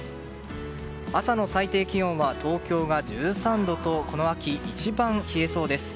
朝の最低気温は東京が１３度とこの秋一番冷えそうです。